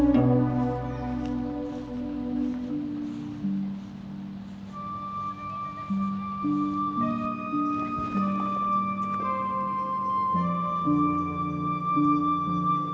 saya tak cukup